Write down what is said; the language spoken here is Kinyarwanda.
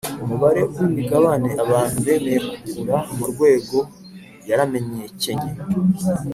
Umubare w’imigabane abantu bemeye kugura mu rwego yaramenyekenye